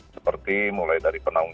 seperti mulai dari penanggung